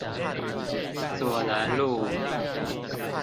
左楠路